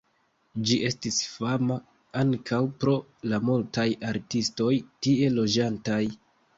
Ĝi estis fama ankaŭ pro la multaj artistoj tie loĝantaj.